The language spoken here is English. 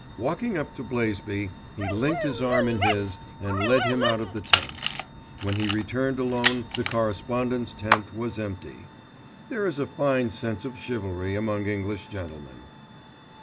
Walking up to Blaisby he linked his arm in his, and led him out of the tent. When he returned alone the Correspondent's tent was empty. There is a fine sense of chivalry among English gentlemen.